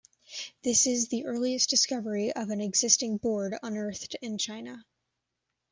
This is the earliest discovery of an existing board unearthed in China.